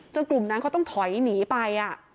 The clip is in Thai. กลุ่มนั้นเขาต้องถอยหนีไป